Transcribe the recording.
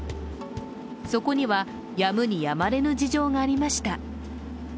そこには、やむにやまれぬ事情がありました。